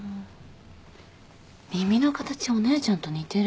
耳の形お姉ちゃんと似てる。